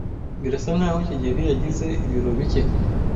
Birasa nkaho kigeli yagize ibiro bike.